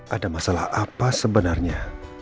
ada masalah apa sebenarnya